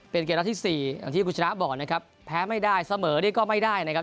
เป็นเกมนัดที่สี่อย่างที่คุณชนะบอกนะครับแพ้ไม่ได้เสมอนี่ก็ไม่ได้นะครับ